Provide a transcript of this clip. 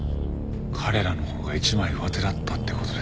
彼らのほうが一枚上手だったって事ですか。